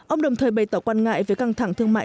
ông đồng thời bày tỏ quan ngại về căng thẳng thương mại